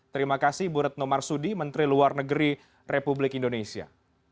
terima kasih bu retno marsudi menteri luar negeri republik indonesia